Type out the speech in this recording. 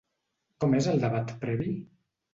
Com és el debat previ?